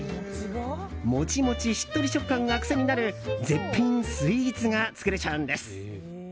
モチモチしっとり食感が癖になる絶品スイーツが作れちゃうんです。